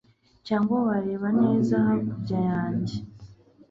cyangwa wareba neza hakurya yanjye